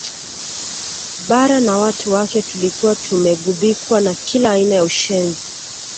Bara na watu wake tulikuwa tumeghubikwa na kila aina ya ushenzi